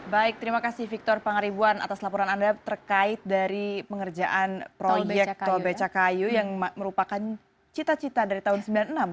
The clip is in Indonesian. baik terima kasih victor pangaribuan atas laporan anda terkait dari pengerjaan proyek tol becakayu yang merupakan cita cita dari tahun seribu sembilan ratus sembilan puluh enam